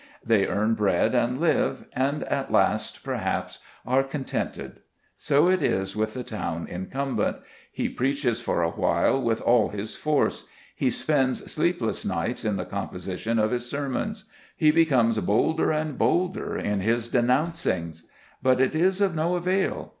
They earn bread and live; and at last, perhaps, are contented. So it is with the town incumbent. He preaches for a while with all his force. He spends sleepless nights in the composition of his sermons. He becomes bolder and bolder in his denouncings. But it is of no avail.